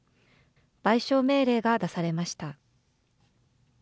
賠償命令が出されました。